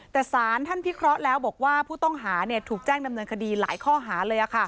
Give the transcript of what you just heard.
แต่สารท่านพิเคราะห์แล้วบอกว่าผู้ต้องหาถูกแจ้งดำเนินคดีหลายข้อหาเลย